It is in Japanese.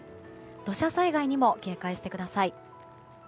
土砂災害にも警戒してください。